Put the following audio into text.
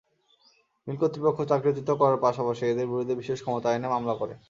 মিল কর্তৃপক্ষ চাকরিচ্যুত করার পাশাপাশি এঁদের বিরুদ্ধে বিশেষ ক্ষমতা আইনে মামলা করে।